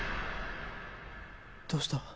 どうした？